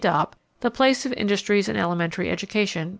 Dopp, The Place of Industries in Elementary Education, pp.